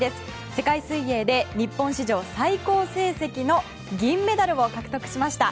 世界水泳で日本史上最高成績の銀メダルを獲得しました